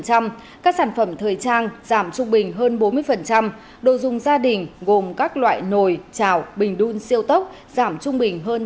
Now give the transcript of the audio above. các sản phẩm thời trang giảm trung bình hơn bốn mươi đồ dùng gia đình gồm các loại nồi trào bình đun siêu tốc giảm trung bình hơn ba mươi